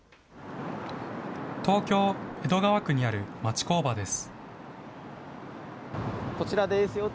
東京・江戸川区にある町工場です。